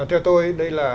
theo tôi đây là